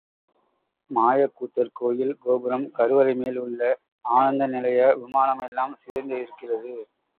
மாயக்கூத்தர் கோயில் கோபுரம், கருவறை மேல் உள்ள ஆனந்த நிலைய விமானம் எல்லாம் சிதைந்து இருக்கிறது.